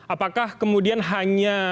apakah kemudian hanya